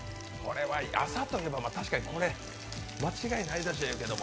朝といえば確かにこれ間違いないでしょうけど。